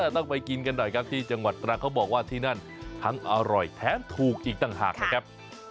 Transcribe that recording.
ต้องไปกินกันหน่อยครับที่จังหวัดตรังเขาบอกว่าที่นั่นทั้งอร่อยแถมถูกอีกต่างหากนะครับ